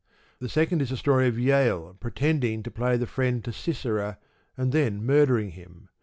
The second is the story of Jael pretending to play the friend to Sisera, and then murdering him.